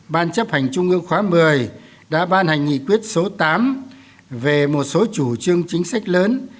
ban chấp hành trung ương khóa một mươi đã ban hành nghị quyết số tám về một số chủ trương chính sách lớn